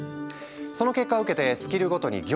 その結果を受けてスキルごとに業務を集約。